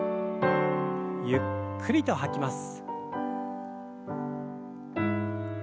ゆっくりと吐きます。